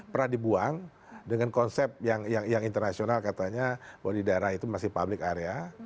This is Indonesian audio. pernah dibuang dengan konsep yang internasional katanya bahwa di daerah itu masih public area